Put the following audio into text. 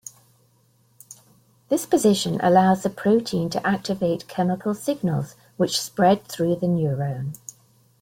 This position allows the protein to activate chemical signals which spread through the neurone.